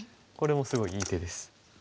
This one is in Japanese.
これもすごいいい手です。